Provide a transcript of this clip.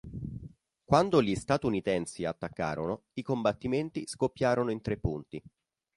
Quando gli statunitensi attaccarono, i combattimenti scoppiarono in tre punti.